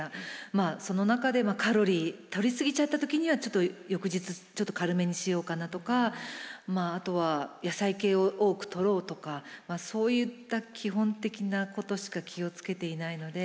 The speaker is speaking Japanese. まあその中でカロリーとり過ぎちゃった時には翌日ちょっと軽めにしようかなとかあとは野菜系を多くとろうとかそういった基本的なことしか気を付けていないので。